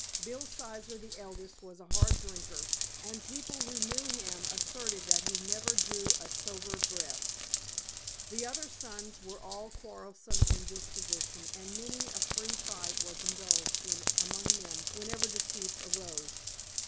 Bill Sizer, the eldest, was a hard drinker, and people who knew him asserted that he "never drew a sober breath." The other sons were all quarrelsome in disposition and many a free fight was indulged in among them whenever disputes arose.